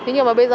nhưng mà bây giờ